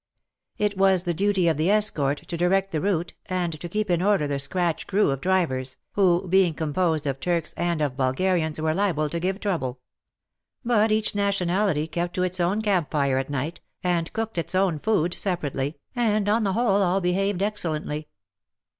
It was the duty of the escort to direct the route and to keep in order the scratch crew of drivers, who, being composed of Turks and of Bulgarians, were liable to give trouble. But each nationality kept to its own camp fire at night, and cooked its own food separately, and J » J. P, 3 » PlETRO WITH MY BULLOCK WaGGON. WAR AND WOMEN ^7 on the whole all behaved excellently.